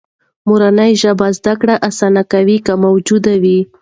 مورنۍ ژبه زده کړه آسانه کوي، که موجوده وي.